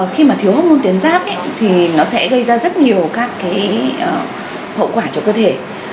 khi mà thiếu hốc môn tuyến giáp thì nó sẽ gây ra rất nhiều các hậu quả cho cơ thể